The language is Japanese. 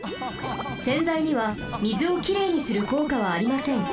せんざいには水をきれいにするこうかはありません。